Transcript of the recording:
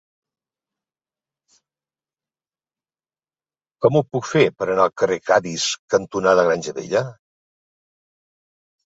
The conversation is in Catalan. Com ho puc fer per anar al carrer Cadis cantonada Granja Vella?